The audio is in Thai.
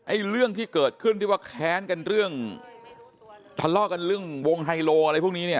เรื่องที่เกิดขึ้นที่ว่าแค้นกันเรื่องทะเลาะกันเรื่องวงไฮโลอะไรพวกนี้เนี่ย